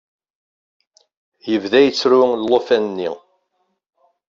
Yebda yettru ulufan-nni.